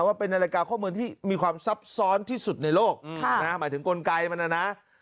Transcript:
ว่าเป็นนาฬิกาข้อมูลที่มีความซับซ้อนที่สุดในโลกหมายถึงกลไกมันนะ